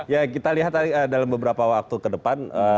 ya kita lihat dalam beberapa waktu ke depan